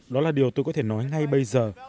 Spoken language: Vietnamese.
đó là điều tôi có thể nói ngay bây giờ